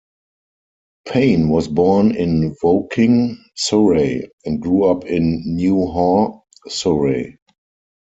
Payne was born in Woking, Surrey, and grew up in New Haw, Surrey.